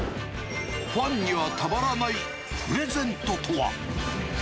ファンにはたまらないプレゼントとは。